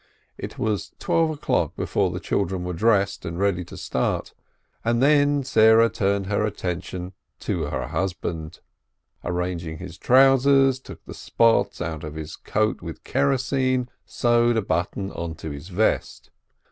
It was twelve o'clock before the children were dressed and ready to start, and then Sarah turned her attention to her hus band, arranged his trousers, took the spots out of his coat with kerosene, sewed a button onto his vest.